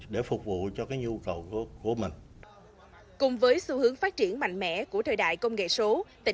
để phục vụ cho cái nhu cầu của mình cùng với xu hướng phát triển mạnh mẽ của thời đại công nghệ số